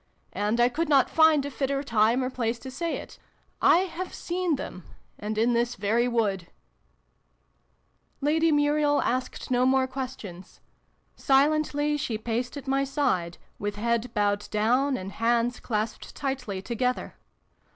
"And I could not find a fitter time or place to say it. I have seen them and in this very wood !" Lady Muriel asked no more questions. Si lently she paced at my side, with head bowed down and hands clasped tightly together.